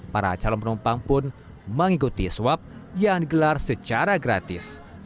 para calon penumpang pun mengikuti swab yang digelar secara gratis